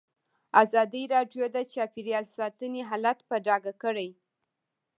ازادي راډیو د چاپیریال ساتنه حالت په ډاګه کړی.